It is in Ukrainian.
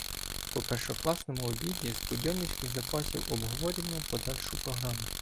По першокласному обіді з будьонівських запасів обговорюємо подальшу програму.